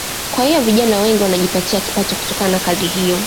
Kwa hiyo vijana wengi wanajipatia kipato kutokana na kazi hiyo